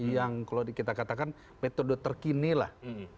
yang kalau kita katakan metode terkini lah